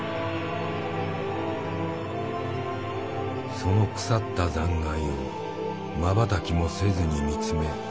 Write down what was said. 「その腐った残骸を瞬きもせずに見つめ触り」。